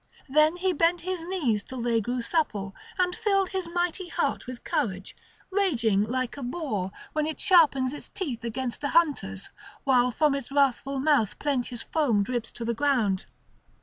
Then he bent his knees till they grew supple, and filled his mighty heart with courage, raging like a boar, when it sharpens its teeth against the hunters, while from its wrathful mouth plenteous foam drips to the ground.